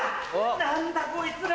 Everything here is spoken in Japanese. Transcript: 何だこいつら！